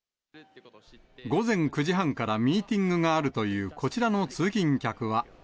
午前９時半からミーティングがあるというこちらの通勤客は。